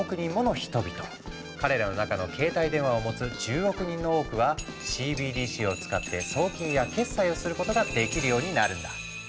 彼らの中の携帯電話を持つ１０億人の多くはＣＢＤＣを使って送金や決済をすることができるようになるんだ。